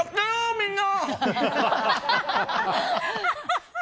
みんな！